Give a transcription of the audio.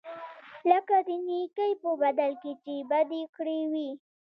لکه د نېکۍ په بدل کې چې بدي کړې وي.